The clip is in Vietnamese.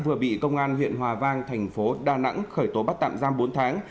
vừa bị công an huyện hòa vang thành phố đà nẵng khởi tố bắt tạm giam bốn tháng